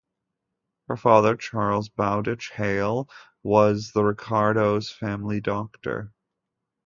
Her father, Charles Bowdich Hale, was the Ricardos' family doctor.